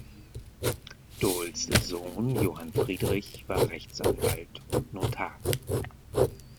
Doles’ Sohn Johann Friedrich war Rechtsanwalt und Notar.